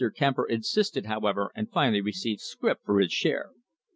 Kemper insisted, however, and finally received scrip for his share.